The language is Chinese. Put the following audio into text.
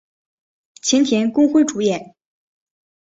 前田公辉主演。